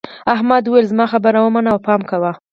احمد وویل زما خبره ومنه او پام کوه.